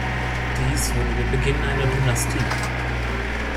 Dies wurde der Beginn einer Dynastie.